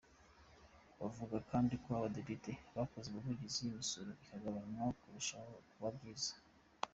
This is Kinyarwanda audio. Bavuga kandi ko Abadepite bakoze ubuvugizi imisoro ikagabanywa byarushaho kuba byiza.